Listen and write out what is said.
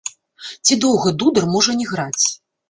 Ці доўга дудар можа не граць?